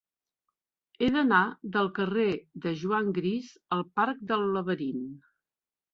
He d'anar del carrer de Juan Gris al parc del Laberint.